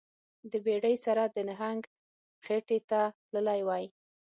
د بیړۍ سره د نهنګ خیټې ته تللی وای